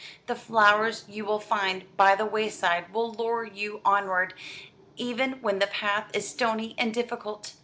The flowers you will find by the wayside will lure you onward, even when the path is stony and difficult."